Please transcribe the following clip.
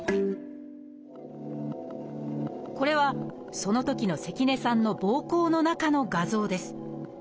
これはそのときの関根さんの膀胱の中の画像です。